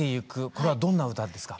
これはどんな歌ですか？